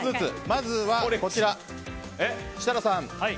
まずはこちら、設楽さん。